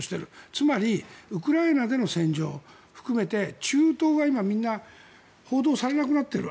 つまりウクライナでの戦場を含めて中東が今みんな報道されなくなっている。